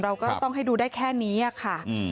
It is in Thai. เราก็ต้องให้ดูได้แค่นี้ค่ะ